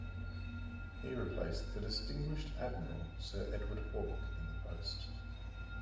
He replaced the distinguished Admiral Sir Edward Hawke in the post.